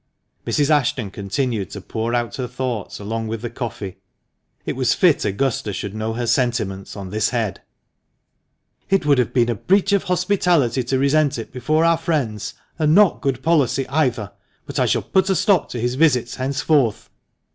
Mrs. Ashton continued to pour out her thoughts along with the coffee. It was fit Augusta should know her sentiments on this head. THE MANCHESTER MAN. 325 " It would have been a breach of hospitality to resent it before our friends, and not good policy either. But I shall put a stop to his visits henceforth."